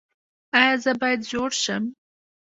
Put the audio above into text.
ایا زه باید زوړ شم؟